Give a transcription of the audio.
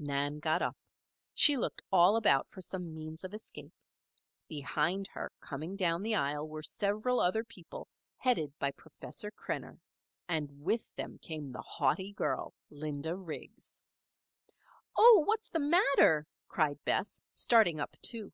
Nan got up. She looked all about for some means of escape. Behind her, coming down the aisle, were several other people headed by Professor Krenner. And with them came the haughty girl, Linda Riggs. "Oh! what's the matter?" cried Bess, starting up, too.